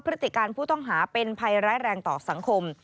พฤติการผู้ต้องหาเป็นภัยร้ายแรงต่อสังคม